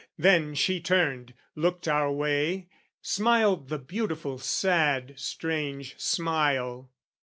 Then she turned, Looked our way, smiled the beautiful sad strange smile.